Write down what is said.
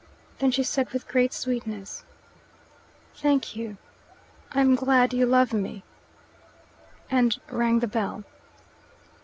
Then she said with great sweetness, "Thank you; I am glad you love me," and rang the bell.